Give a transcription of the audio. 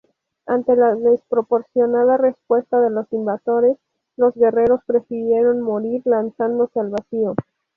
Ante la desproporcionada respuesta de los invasores, los guerreros prefirieron morir lanzándose al vacío.